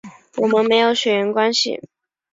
我们没有血缘关系